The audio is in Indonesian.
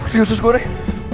putri usus goreng